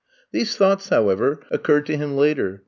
These thoughts, however, occurred to him later.